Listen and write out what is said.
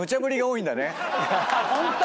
ホント！